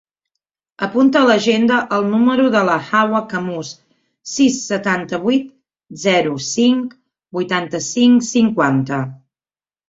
Apunta a l'agenda el número de la Hawa Camus: sis, setanta-vuit, zero, cinc, vuitanta-cinc, cinquanta.